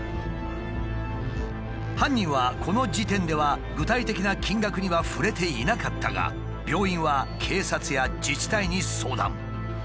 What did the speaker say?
犯人はこの時点では具体的な金額には触れていなかったが病院は警察や自治体に相談。